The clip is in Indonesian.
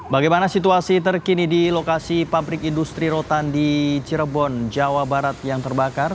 bagaimana situasi terkini di lokasi pabrik industri rotan di cirebon jawa barat yang terbakar